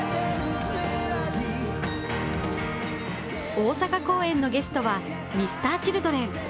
大阪公演のゲストはＭｒ．Ｃｈｉｌｄｒｅｎ。